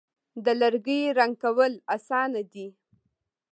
د لرګي رنګ کول آسانه دي.